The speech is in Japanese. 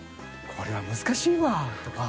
これは難しいわ」とか。